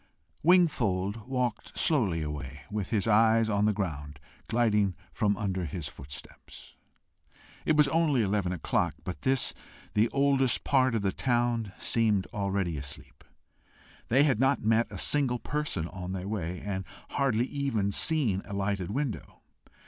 Wingfold walked slowly away, with his eyes on the ground gliding from under his footsteps. It was only eleven o'clock, but this the oldest part of the town seemed already asleep. They had not met a single person on their way, and hardly seen a lighted window.